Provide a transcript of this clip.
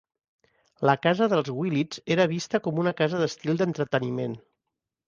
La casa dels Willits era vista com una casa d'estil d'entreteniment.